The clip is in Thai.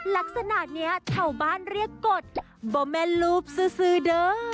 ลักษณะเนี้ยเท่าบ้านเรียกกฎบ่แมนลูบสุด